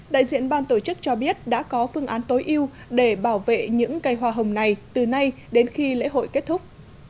đại diện ban tổ chức cho biết đã có phương án tối ưu để bảo vệ những cây hoa hồng này từ nay đến khi lễ hội kết thúc